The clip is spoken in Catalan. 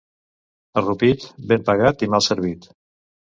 A Rupit, ben pagat i mal servit.